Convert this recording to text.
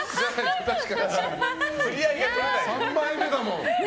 ３枚目だもん。